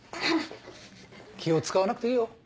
気を使わなくていいよ。